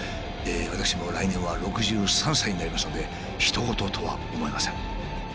私も来年は６３歳になりますのでひと事とは思えません。